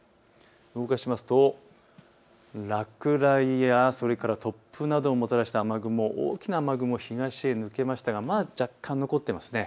動かしますと落雷やそれから突風などをもたらした雨雲、大きな雨雲、東へ抜けましたがまだ若干残っています。